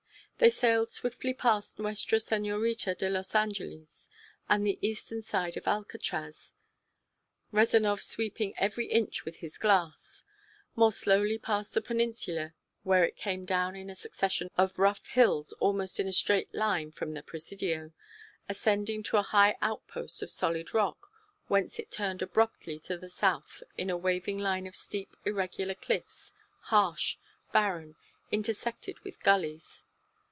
They sailed swiftly past Nuestra Senorita de los Angeles and the eastern side of Alcatraz, Rezanov sweeping every inch with his glass; more slowly past the peninsula where it came down in a succession of rough hills almost in a straight line from the Presidio, ascending to a high outpost of solid rock, whence it turned abruptly to the south in a waving line of steep irregular cliffs, harsh, barren, intersected with gullies.